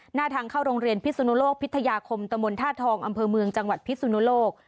หน้าทางเข้าโรงเรียนพิสุนุโลกพิทยาคมตะมนต์ท่าทองอำเภอเมืองจังหวัดพิสุนุโลก